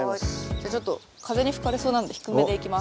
じゃちょっと風に吹かれそうなんで低めでいきます。